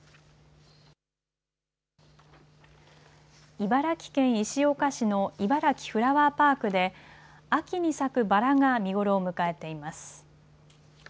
茨城県石岡市のいばらきフラワーパークで秋に咲くバラが見頃を迎えています。